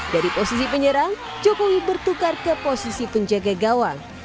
dari posisi penyerang jokowi bertukar ke posisi penjaga gawang